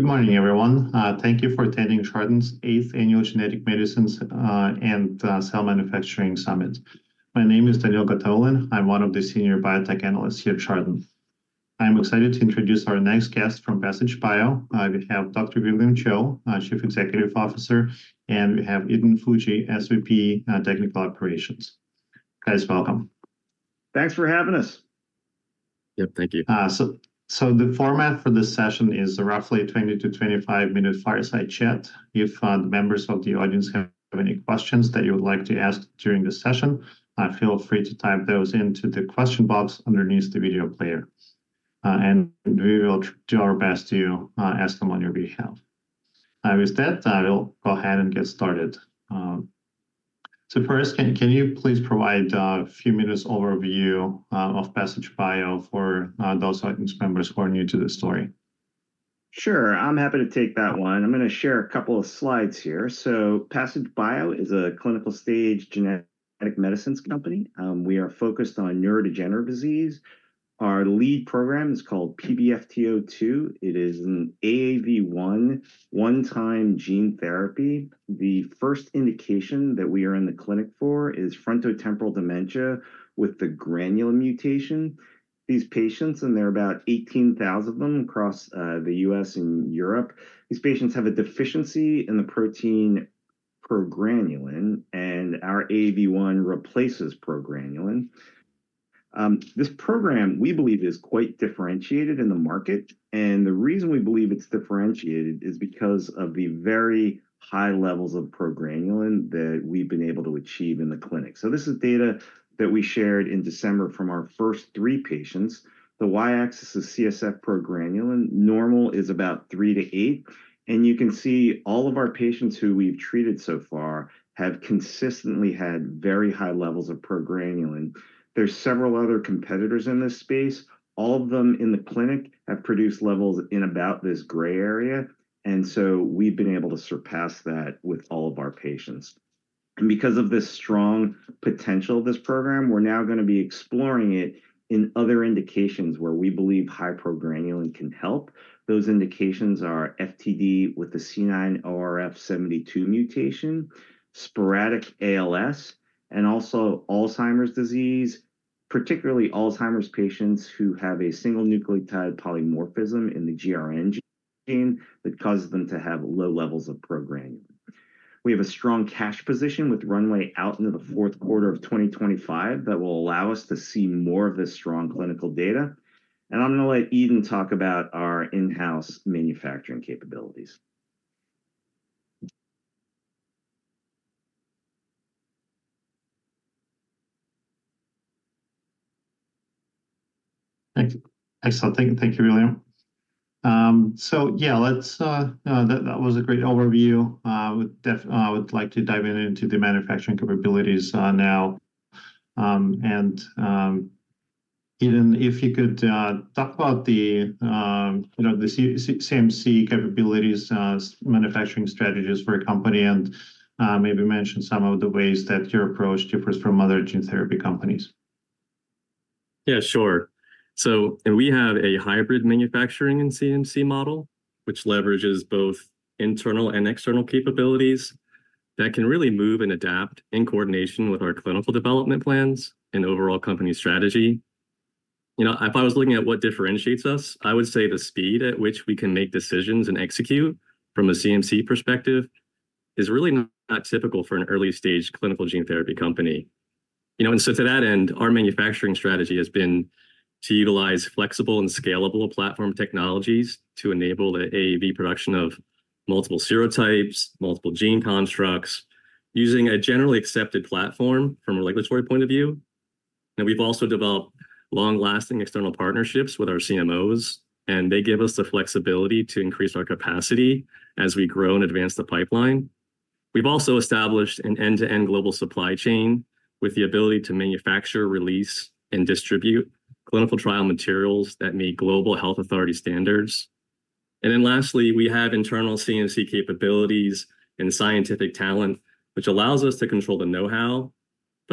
Good morning, everyone. Thank you for attending Chardan's 8th Annual Genetic Medicine, and Cell Manufacturing Summit. My name is Daniil Gataulin. I'm one of the senior biotech analysts here at Chardan. I'm excited to introduce our next guest from Passage Bio. We have Dr. William Chou, Chief Executive Officer, and we have Eden Fucci, SVP, Technical Operations. Guys, welcome. Thanks for having us. Yep, thank you. So, the format for this session is roughly a 20–25-minute fireside chat. If the members of the audience have any questions that you would like to ask during the session, feel free to type those into the question box underneath the video player, and we will do our best to ask them on your behalf. With that, we'll go ahead and get started. So first, can you please provide a few minutes' overview of Passage Bio for those audience members who are new to the story? Sure. I'm happy to take that one. I'm gonna share a couple of slides here. Passage Bio is a clinical-stage genetic medicines company. We are focused on neurodegenerative disease. Our lead program is called PBFT02. It is an AAV1 one-time gene therapy. The first indication that we are in the clinic for is frontotemporal dementia with the granulin mutation. These patients, and there are about 18,000 of them across the U.S. and Europe, these patients have a deficiency in the protein progranulin, and our AAV1 replaces progranulin. This program, we believe, is quite differentiated in the market, and the reason we believe it's differentiated is because of the very high levels of progranulin that we've been able to achieve in the clinic. This is data that we shared in December from our first three patients. The y-axis of CSF progranulin normal is about 3-8, and you can see all of our patients who we've treated so far have consistently had very high levels of progranulin. There's several other competitors in this space. All of them in the clinic have produced levels in about this gray area. And so we've been able to surpass that with all of our patients. And because of this strong potential of this program, we're now gonna be exploring it in other indications where we believe high progranulin can help. Those indications are FTD with the C9ORF72 mutation, sporadic ALS, and also Alzheimer's disease, particularly Alzheimer's patients who have a single nucleotide polymorphism in the GRN gene that causes them to have low levels of progranulin. We have a strong cash position with runway out into the Q4 of 2025 that will allow us to see more of this strong clinical data. And I'm gonna let Eden talk about our in-house manufacturing capabilities. Thanks. Excellent. Thank you. Thank you, William. So, yeah, let's, you know, that that was a great overview. We'd definitely would like to dive in into the manufacturing capabilities, now. And, Eden, if you could talk about the, you know, the CMC capabilities, manufacturing strategies for a company, and maybe mention some of the ways that your approach differs from other gene therapy companies. Yeah, sure. We have a hybrid manufacturing and CMC model, which leverages both internal and external capabilities that can really move and adapt in coordination with our clinical development plans and overall company strategy. You know, if I was looking at what differentiates us, I would say the speed at which we can make decisions and execute from a CMC perspective is really not typical for an early-stage clinical gene therapy company. You know, to that end, our manufacturing strategy has been to utilize flexible and scalable platform technologies to enable the AAV production of multiple serotypes, multiple gene constructs, using a generally accepted platform from a regulatory point of view. We've also developed long-lasting external partnerships with our CMOs, and they give us the flexibility to increase our capacity as we grow and advance the pipeline. We've also established an end-to-end global supply chain with the ability to manufacture, release, and distribute clinical trial materials that meet global health authority standards. Then lastly, we have internal CMC capabilities and scientific talent, which allows us to control the know-how.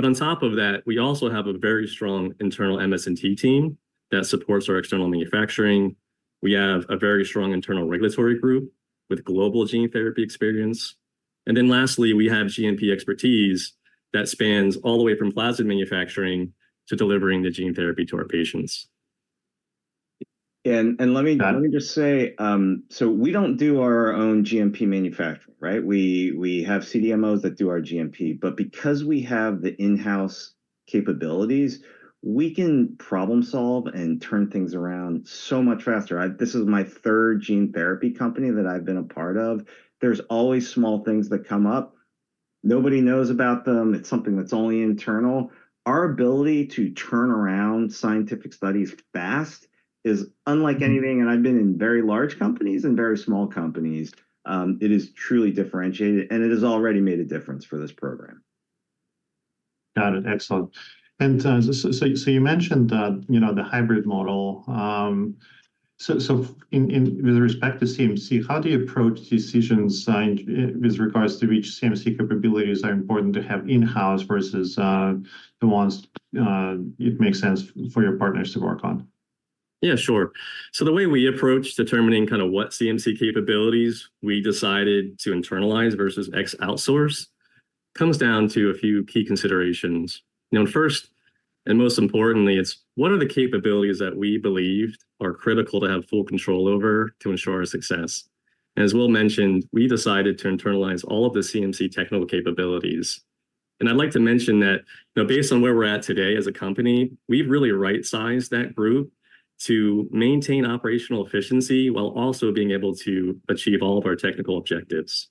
On top of that, we also have a very strong internal MS&T team that supports our external manufacturing. We have a very strong internal regulatory group with global gene therapy experience. Then lastly, we have GMP expertise that spans all the way from plasmid manufacturing to delivering the gene therapy to our patients. And, let me. Yeah. Let me just say, so we don't do our own GMP manufacturing, right? We, we have CDMOs that do our GMP. But because we have the in-house capabilities, we can problem-solve and turn things around so much faster. I, this is my third gene therapy company that I've been a part of. There's always small things that come up. Nobody knows about them. It's something that's only internal. Our ability to turn around scientific studies fast is unlike anything, and I've been in very large companies and very small companies. It is truly differentiated, and it has already made a difference for this program. Got it. Excellent. So you mentioned that, you know, the hybrid model. So, in with respect to CMC, how do you approach decisions with regards to which CMC capabilities are important to have in-house versus the ones it makes sense for your partners to work on? Yeah, sure. So the way we approach determining kind of what CMC capabilities we decided to internalize versus ex-outsource comes down to a few key considerations. You know, and first, and most importantly, it's what are the capabilities that we believed are critical to have full control over to ensure our success? And as Will mentioned, we decided to internalize all of the CMC technical capabilities. And I'd like to mention that, you know, based on where we're at today as a company, we've really right-sized that group to maintain operational efficiency while also being able to achieve all of our technical objectives.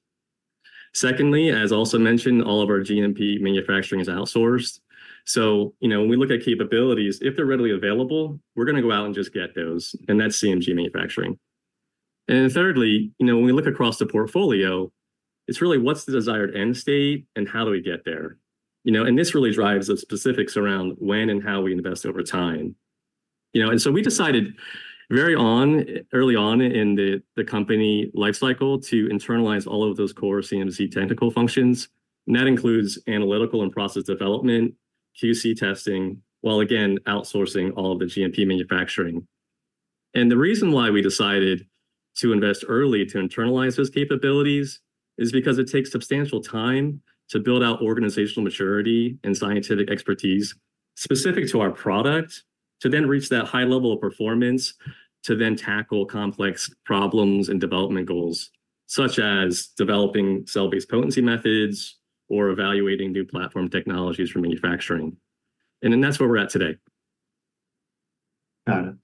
Secondly, as also mentioned, all of our GMP manufacturing is outsourced. So, you know, when we look at capabilities, if they're readily available, we're gonna go out and just get those, and that's CMC manufacturing. And then thirdly, you know, when we look across the portfolio, it's really what's the desired end state, and how do we get there? You know, and this really drives the specifics around when and how we invest over time. You know, and so we decided very early on in the company lifecycle to internalize all of those core CMC technical functions. And that includes analytical and process development, QC testing, while again, outsourcing all of the GMP manufacturing. And the reason why we decided to invest early to internalize those capabilities is because it takes substantial time to build out organizational maturity and scientific expertise specific to our product to then reach that high level of performance to then tackle complex problems and development goals such as developing cell-based potency methods or evaluating new platform technologies for manufacturing. And then that's where we're at today. Got it.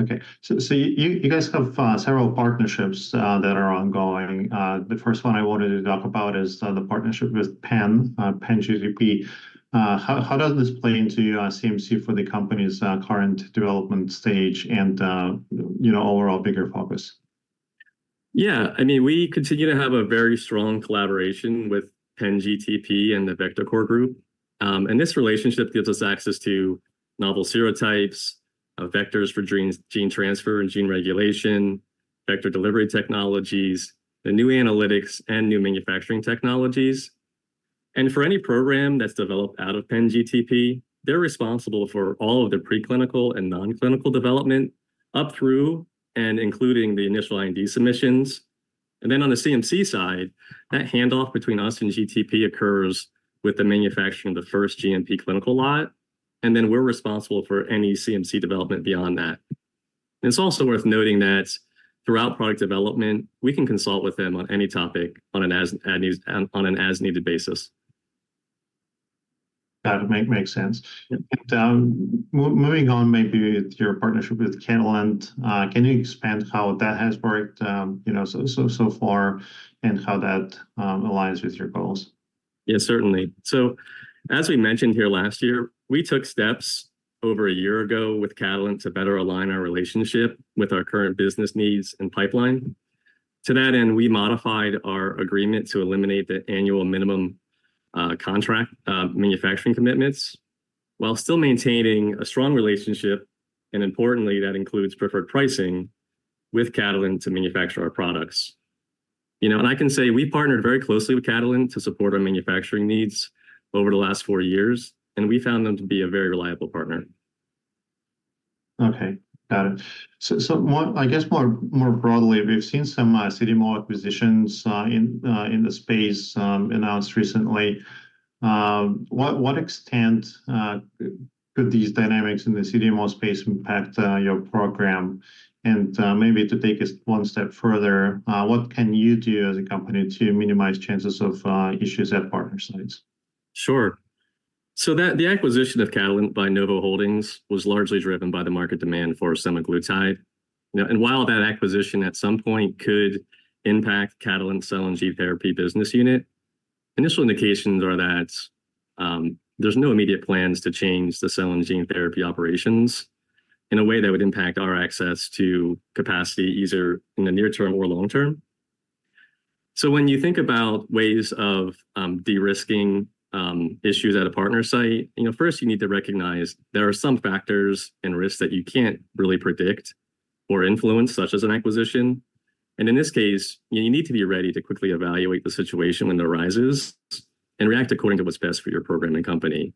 Okay. So, you guys have several partnerships that are ongoing. The first one I wanted to talk about is the partnership with Penn, Penn GTP. How does this play into CMC for the company's current development stage and, you know, overall bigger focus? Yeah. I mean, we continue to have a very strong collaboration with Penn GTP and the Vector Core group. And this relationship gives us access to novel serotypes, vectors for gene transfer and gene regulation, vector delivery technologies, the new analytics, and new manufacturing technologies. And for any program that's developed out of Penn GTP, they're responsible for all of the preclinical and non-clinical development up through and including the initial IND submissions. And then on the CMC side, that handoff between us and GTP occurs with the manufacturing of the first GMP clinical lot. And then we're responsible for any CMC development beyond that. And it's also worth noting that throughout product development, we can consult with them on any topic on an as-needed basis. Got it. Makes sense. And moving on maybe with your partnership with Catalent, can you expand how that has worked, you know, so far and how that aligns with your goals? Yeah, certainly. So as we mentioned here last year, we took steps over a year ago with Catalent to better align our relationship with our current business needs and pipeline. To that end, we modified our agreement to eliminate the annual minimum contract manufacturing commitments while still maintaining a strong relationship, and importantly, that includes preferred pricing with Catalent to manufacture our products. You know, and I can say we partnered very closely with Catalent to support our manufacturing needs over the last four years, and we found them to be a very reliable partner. Okay. Got it. So, more broadly, I guess, we've seen some CDMO acquisitions in the space announced recently. To what extent could these dynamics in the CDMO space impact your program? And, maybe to take it one step further, what can you do as a company to minimize chances of issues at partner sites? Sure. So that the acquisition of Catalent by Novo Holdings was largely driven by the market demand for semaglutide. You know, and while that acquisition at some point could impact Catalent's cell and gene therapy business unit, initial indications are that there's no immediate plans to change the cell and gene therapy operations in a way that would impact our access to capacity either in the near term or long term. When you think about ways of de-risking issues at a partner site, you know, first you need to recognize there are some factors and risks that you can't really predict or influence such as an acquisition. In this case, you know, you need to be ready to quickly evaluate the situation when it arises and react according to what's best for your program and company.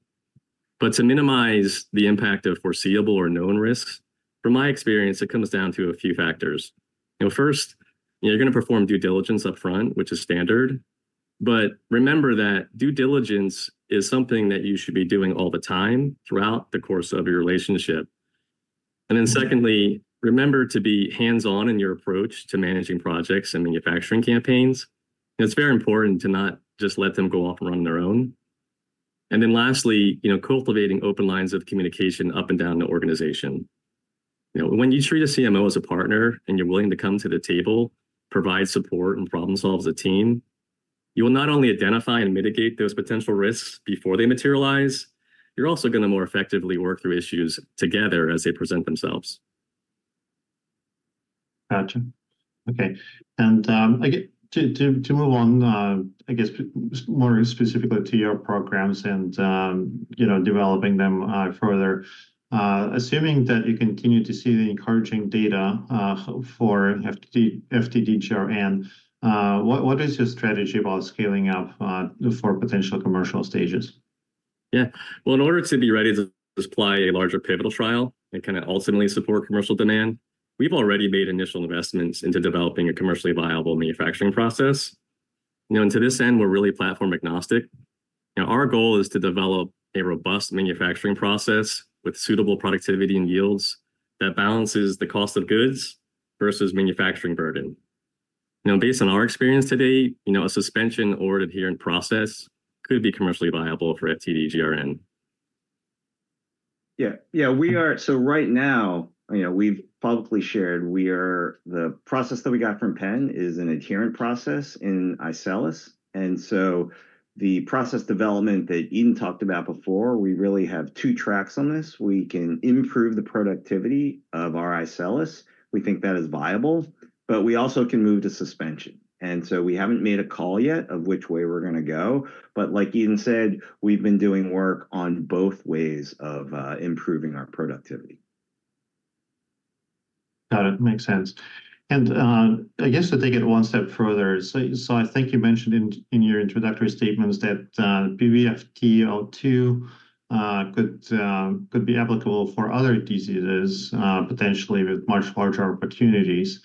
But to minimize the impact of foreseeable or known risks, from my experience, it comes down to a few factors. You know, first, you know, you're gonna perform due diligence up front, which is standard. But remember that due diligence is something that you should be doing all the time throughout the course of your relationship. And then secondly, remember to be hands-on in your approach to managing projects and manufacturing campaigns. And it's very important to not just let them go off and run on their own. And then lastly, you know, cultivating open lines of communication up and down the organization. You know, when you treat a CMO as a partner and you're willing to come to the table, provide support, and problem-solve as a team, you will not only identify and mitigate those potential risks before they materialize, you're also gonna more effectively work through issues together as they present themselves. Gotcha. Okay. I guess to move on, I guess, more specifically to your programs and, you know, developing them further, assuming that you continue to see the encouraging data for FTD-GRN, what is your strategy about scaling up for potential commercial stages? Yeah. Well, in order to be ready to supply a larger pivotal trial and kinda ultimately support commercial demand, we've already made initial investments into developing a commercially viable manufacturing process. You know, and to this end, we're really platform-agnostic. You know, our goal is to develop a robust manufacturing process with suitable productivity and yields that balances the cost of goods versus manufacturing burden. You know, based on our experience today, you know, a suspension or an adherent process could be commercially viable for FTD-GRN. Yeah. Yeah. We are so right now, you know, we've publicly shared we are the process that we got from Penn is an adherent process in iCELLis. And so the process development that Eden talked about before, we really have two tracks on this. We can improve the productivity of our iCELLis. We think that is viable. But we also can move to suspension. And so we haven't made a call yet of which way we're gonna go. But like Eden said, we've been doing work on both ways of, improving our productivity. Got it. Makes sense. I guess to take it one step further, so I think you mentioned in your introductory statements that PBFT02 could be applicable for other diseases, potentially with much larger opportunities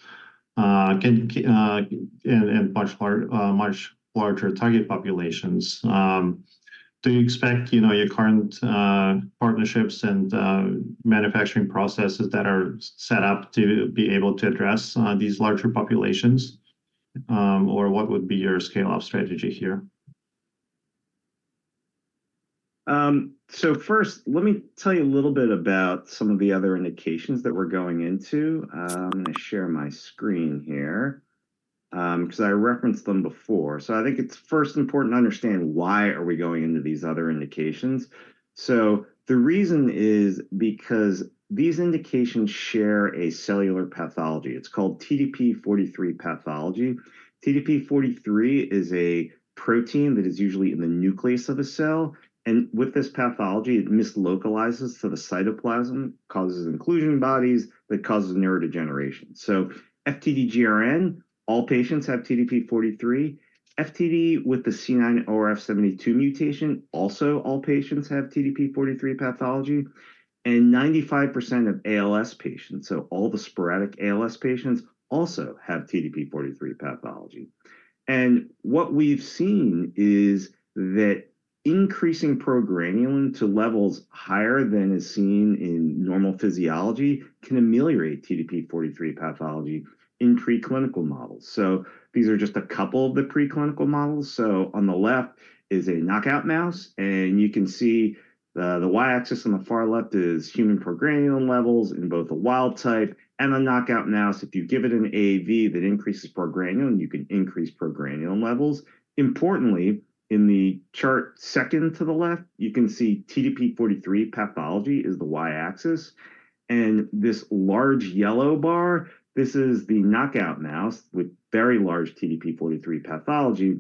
and much larger target populations. Do you expect, you know, your current partnerships and manufacturing processes that are set up to be able to address these larger populations, or what would be your scale-up strategy here? So first, let me tell you a little bit about some of the other indications that we're going into. I'm gonna share my screen here, 'cause I referenced them before. So I think it's first important to understand why are we going into these other indications. So the reason is because these indications share a cellular pathology. It's called TDP43 pathology. TDP43 is a protein that is usually in the nucleus of a cell. And with this pathology, it mislocalizes to the cytoplasm, causes inclusion bodies that cause neurodegeneration. So FTD-GRN, all patients have TDP43. FTD with the C9ORF72 mutation, also all patients have TDP43 pathology. And 95% of ALS patients, so all the sporadic ALS patients, also have TDP43 pathology. And what we've seen is that increasing progranulin to levels higher than is seen in normal physiology can ameliorate TDP43 pathology in preclinical models. So these are just a couple of the preclinical models. So on the left is a knockout mouse, and you can see the Y-axis on the far left is human progranulin levels in both the wild type and the knockout mouse. If you give it an AAV that increases progranulin, you can increase progranulin levels. Importantly, in the chart second to the left, you can see TDP43 pathology is the Y-axis. And this large yellow bar, this is the knockout mouse with very large TDP43 pathology.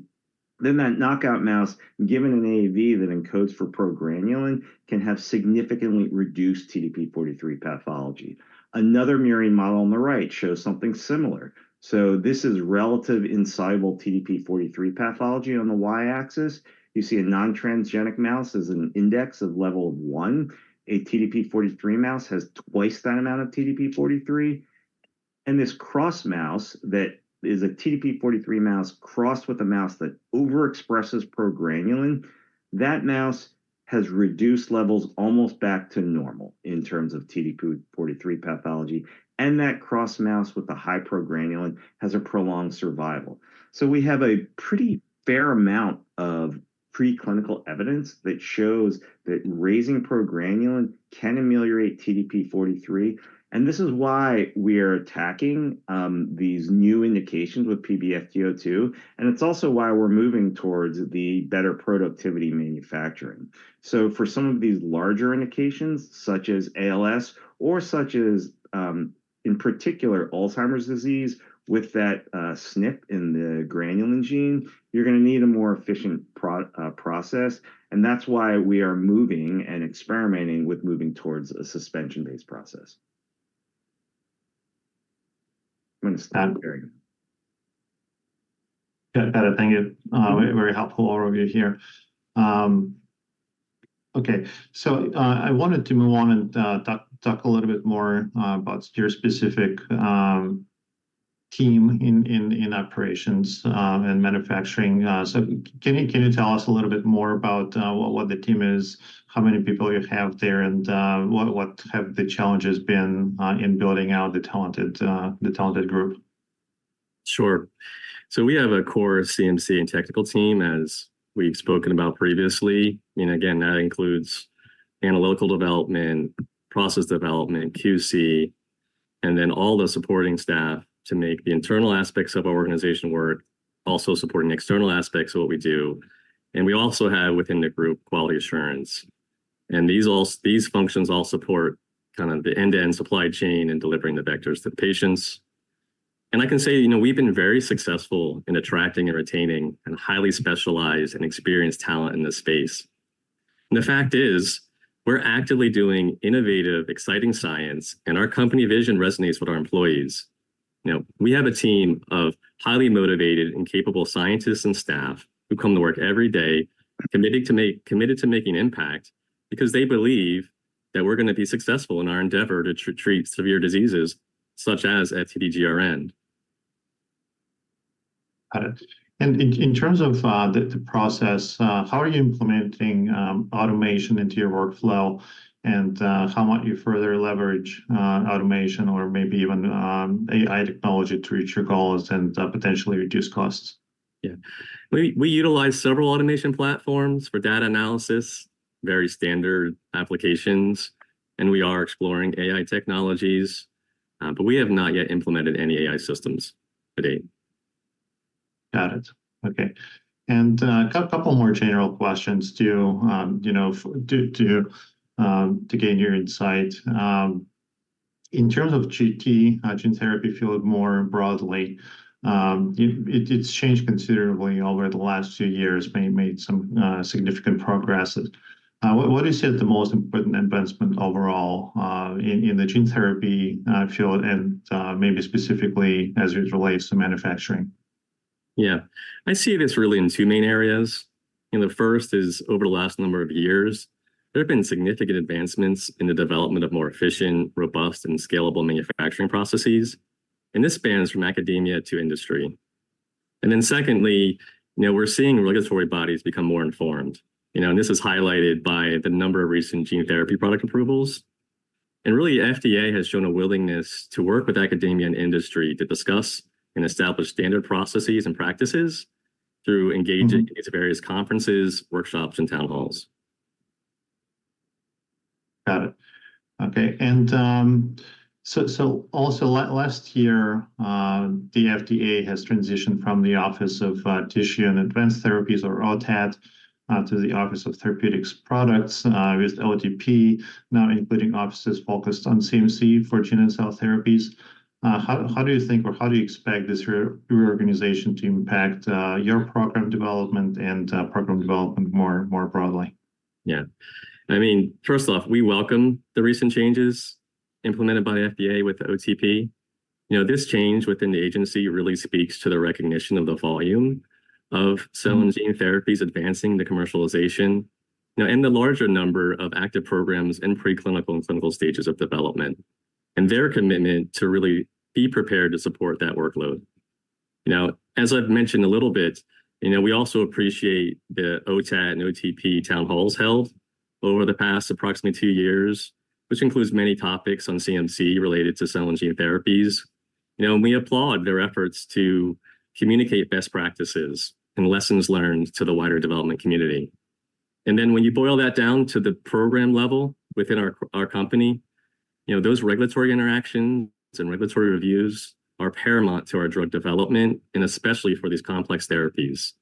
Then that knockout mouse, given an AAV that encodes for progranulin, can have significantly reduced TDP43 pathology. Another murine model on the right shows something similar. So this is relative insoluble TDP43 pathology on the Y-axis. You see a non-transgenic mouse as an index of level one. A TDP43 mouse has twice that amount of TDP43. And this cross mouse that is a TDP43 mouse crossed with a mouse that overexpresses progranulin, that mouse has reduced levels almost back to normal in terms of TDP43 pathology. And that cross mouse with the high progranulin has a prolonged survival. So we have a pretty fair amount of preclinical evidence that shows that raising progranulin can ameliorate TDP43. And this is why we are attacking these new indications with PBFT02. And it's also why we're moving towards the better productivity manufacturing. So for some of these larger indications such as ALS or such as, in particular, Alzheimer's disease with that SNP in the granulin gene, you're gonna need a more efficient process. And that's why we are moving and experimenting with moving towards a suspension-based process. I'm gonna stop sharing that. Got it. Got it. Thank you. Very helpful overview here. Okay. So, I wanted to move on and talk a little bit more about your specific team in operations and manufacturing. So can you tell us a little bit more about what the team is, how many people you have there, and what have the challenges been in building out the talented group? Sure. We have a core CMC and technical team, as we've spoken about previously. Again, that includes analytical development, process development, QC, and then all the supporting staff to make the internal aspects of our organization work, also supporting external aspects of what we do. We also have within the group quality assurance. These all, these functions all support kind of the end-to-end supply chain and delivering the vectors to the patients. I can say, you know, we've been very successful in attracting and retaining highly specialized and experienced talent in this space. The fact is, we're actively doing innovative, exciting science, and our company vision resonates with our employees. You know, we have a team of highly motivated and capable scientists and staff who come to work every day committed to making impact because they believe that we're gonna be successful in our endeavor to treat severe diseases such as FTD-GRN. Got it. And in terms of the process, how are you implementing automation into your workflow? And how might you further leverage automation or maybe even AI technology to reach your goals and potentially reduce costs? Yeah. We utilize several automation platforms for data analysis, very standard applications. And we are exploring AI technologies. But we have not yet implemented any AI systems to date. Got it. Okay. And a couple more general questions too, you know, to gain your insight. In terms of GT, gene therapy field more broadly, it's changed considerably over the last few years, made some significant progress. What do you see as the most important advancement overall, in the gene therapy field and maybe specifically as it relates to manufacturing? Yeah. I see this really in two main areas. You know, the first is over the last number of years, there have been significant advancements in the development of more efficient, robust, and scalable manufacturing processes. And this spans from academia to industry. And then secondly, you know, we're seeing regulatory bodies become more informed. You know, and this is highlighted by the number of recent gene therapy product approvals. And really, the FDA has shown a willingness to work with academia and industry to discuss and establish standard processes and practices through engaging at various conferences, workshops, and town halls. Got it. Okay. And so also last year, the FDA has transitioned from the Office of Tissues and Advanced Therapies, or OTAT, to the Office of Therapeutic Products, with OTP now including offices focused on CMC for gene and cell therapies. How do you think or how do you expect this reorganization to impact your program development and program development more broadly? Yeah. I mean, first off, we welcome the recent changes implemented by the FDA with OTP. You know, this change within the agency really speaks to the recognition of the volume of cell and gene therapies advancing the commercialization, you know, and the larger number of active programs in preclinical and clinical stages of development and their commitment to really be prepared to support that workload. You know, as I've mentioned a little bit, you know, we also appreciate the OTAT and OTP town halls held over the past approximately two years, which includes many topics on CMC related to cell and gene therapies. You know, and we applaud their efforts to communicate best practices and lessons learned to the wider development community. Then when you boil that down to the program level within our company, you know, those regulatory interactions and regulatory reviews are paramount to our drug development and especially for these complex therapies.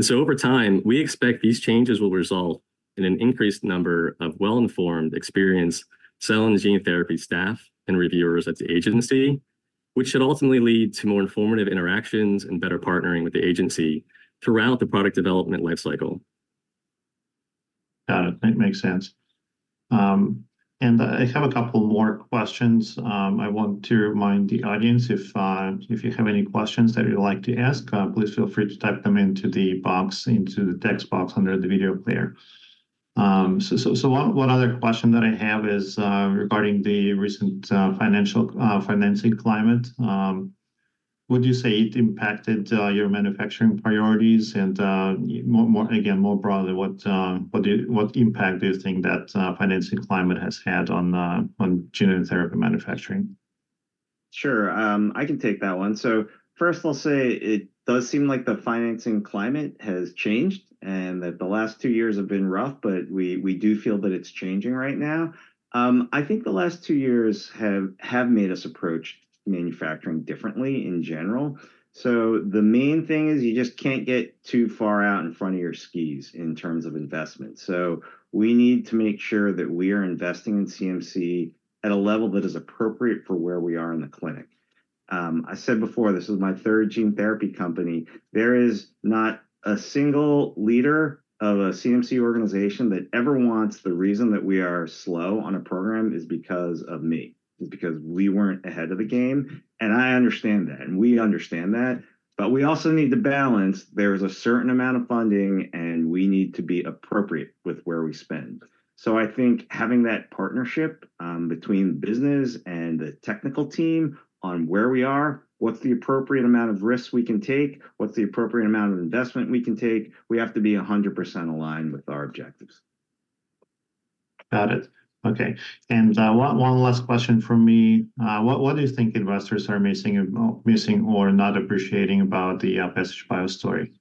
So over time, we expect these changes will result in an increased number of well-informed, experienced cell and gene therapy staff and reviewers at the agency, which should ultimately lead to more informative interactions and better partnering with the agency throughout the product development lifecycle. Got it. Thanks. Makes sense. I have a couple more questions. I want to remind the audience if you have any questions that you'd like to ask, please feel free to type them into the box, into the text box under the video player. So, what other question that I have is, regarding the recent financing climate. Would you say it impacted your manufacturing priorities? And, more broadly, what impact do you think that financing climate has had on gene therapy manufacturing? Sure. I can take that one. So first, I'll say it does seem like the financing climate has changed and that the last two years have been rough, but we do feel that it's changing right now. I think the last two years have made us approach manufacturing differently in general. So the main thing is you just can't get too far out in front of your skis in terms of investment. So we need to make sure that we are investing in CMC at a level that is appropriate for where we are in the clinic. I said before, this is my third gene therapy company. There is not a single leader of a CMC organization that ever wants the reason that we are slow on a program is because of me, because we weren't ahead of the game. And I understand that. We understand that. We also need to balance there's a certain amount of funding, and we need to be appropriate with where we spend. I think having that partnership, between the business and the technical team on where we are, what's the appropriate amount of risk we can take, what's the appropriate amount of investment we can take, we have to be 100% aligned with our objectives. Got it. Okay. One last question from me. What do you think investors are missing or not appreciating about Passage Bio story?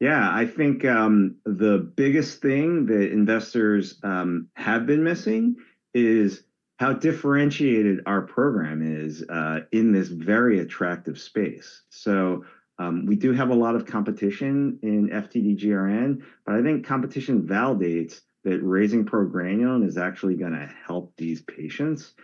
Yeah. I think the biggest thing that investors have been missing is how differentiated our program is in this very attractive space. So, we do have a lot of competition in FTD-GRN, but I think competition validates that raising progranulin is actually gonna help these patients.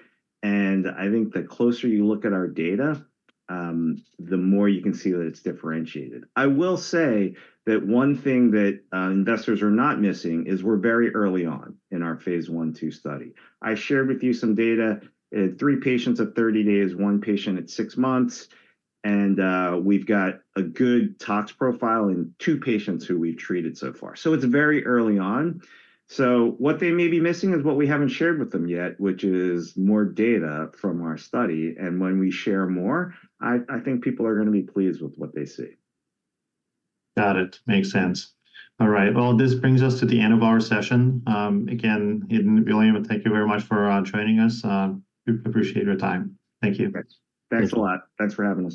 And I think the closer you look at our data, the more you can see that it's differentiated. I will say that one thing that investors are not missing is we're very early on in our phase 1/2 study. I shared with you some data. It had three patients at 30 days, one patient at six months. And we've got a good tox profile in two patients who we've treated so far. So it's very early on. So what they may be missing is what we haven't shared with them yet, which is more data from our study. And when we share more, I think people are gonna be pleased with what they see. Got it. Makes sense. All right. Well, this brings us to the end of our session. Again, Eden, William, thank you very much for joining us. We appreciate your time. Thank you. Thanks. Thanks a lot. Thanks for having us.